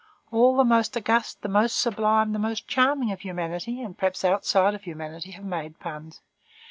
All the most august, the most sublime, the most charming of humanity, and perhaps outside of humanity, have made puns.